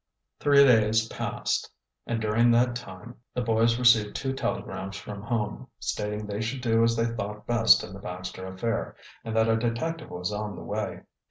Three days passed, and during that time the boys received two telegrams from home, stating they should do as they thought best in the Baxter affair, and that a detective was on the way.